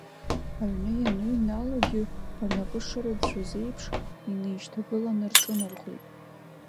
Аҩны ианыҩналогьы рнапы шырыӡәӡәаз еиԥш, инеишьҭагыланы рҿынархоит.